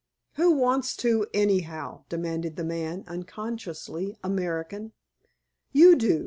"Who wants to, anyhow?" demanded the man, unconsciously American. "You do.